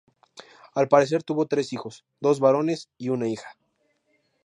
Al parecer tuvo tres hijos, dos varones y una hija.